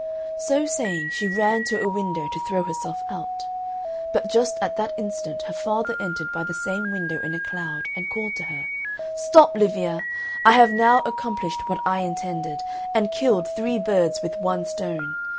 So saying, she ran to a window to throw herself out; but just at that instant her father entered by the same window in a cloud, and called to her, "Stop, Liviella! I have now accomplished what I intended, and killed three birds with one stone.